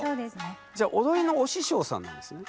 じゃ踊りのお師匠さんなんですね？